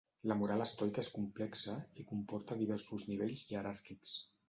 La moral estoica és complexa i comporta diversos nivells jeràrquics.